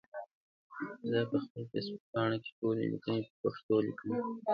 زه پخپل فيسبوک پاڼې ټولي ليکني په پښتو ژبه کوم